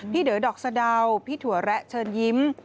เดอดอกสะดาวพี่ถั่วแระเชิญยิ้ม